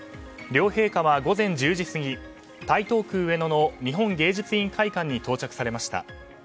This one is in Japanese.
両陛下は、午前１０時過ぎ台東区上野の日本芸術院会館に到着されました。